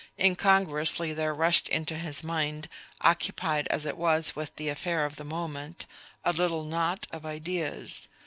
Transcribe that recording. Incongruously there rushed into his mind, occupied as it was with the affair of the moment, a little knot of ideas